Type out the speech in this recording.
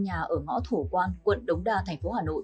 hậu quả hai người tử vong